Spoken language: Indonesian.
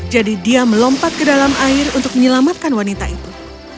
dia melompat ke dalam air untuk menyelamatkan wanita itu